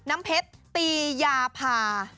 น้ำเพชรตียาพา